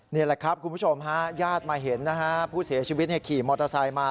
นี่แหละครับคุณผู้ชมฮะญาติมาเห็นนะฮะผู้เสียชีวิตขี่มอเตอร์ไซค์มา